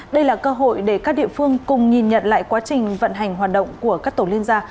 đây là cơ hội để các địa phương cùng nhìn nhận lại quá trình vận hành hoạt động của các tổ liên gia